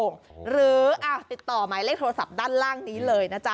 ขอหมายเลขโทรศัพท์ด้านล่างนี้เลยนะจ๊ะ